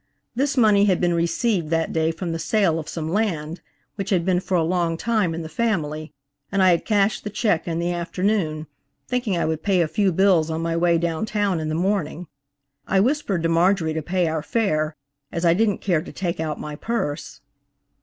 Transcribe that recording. This money had been received that day from the sale of some land, which had been for a long time in the family, and I had cashed the check in the afternoon, thinking I would pay a few bills on my way down town in the morning. I whispered to Marjorie to pay our fare, as I didn't care to take out my purse.